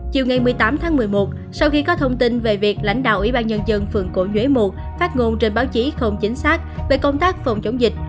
chiều ngày một mươi tám tháng một mươi một sau khi có thông tin về việc lãnh đạo ủy ban nhân dân phường cổ nhuế một phát ngôn trên báo chí không chính xác về công tác phòng chống dịch